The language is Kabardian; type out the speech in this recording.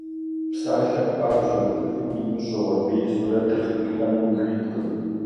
Псалъэм папщӏэ, цӏыхум имыщӏэу, абы и сурэтыр къиплъхьэну ухуиткъым.